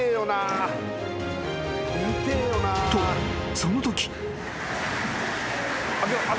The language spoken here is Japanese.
［とそのとき］